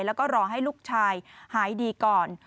แล้วก็รอให้ลูกชายหายดีก่อน